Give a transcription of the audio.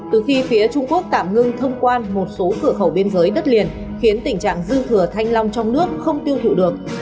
từ khi phía trung quốc tạm ngưng thông quan một số cửa khẩu biên giới đất liền khiến tình trạng dư thừa thanh long trong nước không tiêu thụ được